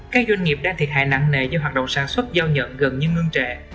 các doanh nghiệp đang thiệt hại nặng nề do hoạt động sản xuất giao nhận gần như ngưng trệ